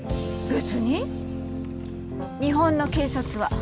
別にっ日本の警察は？